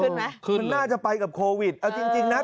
ขึ้นไหมขึ้นเลยมันน่าจะไปกับโควิดเออจริงนะ